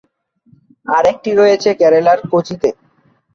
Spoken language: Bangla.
আর একটি রয়েছে কেরালার কোচিতে।